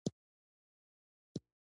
ترموز د ژوند د خوند یوه برخه ده.